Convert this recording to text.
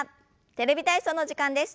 「テレビ体操」の時間です。